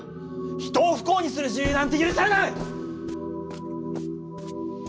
人を不幸にする自由なんて許されない！